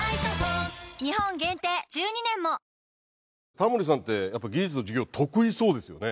タモリさんって技術の授業得意そうですよね。